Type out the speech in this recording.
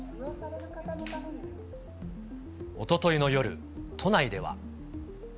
おとといの夜、都内では。